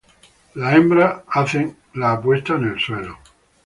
Las hembras hacen la puesta en el suelo.